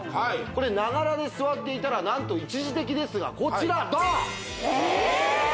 これながらで座っていたら何と一時的ですがこちらドン！